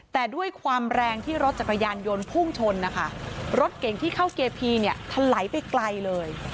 แต่ด้วยความแรงที่รถจักรยานยนต์พุ่งชนนะคะรถเก่งที่เข้าเกพีเนี่ยทะไหลไปไกลเลย